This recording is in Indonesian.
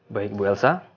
baik ibu elsa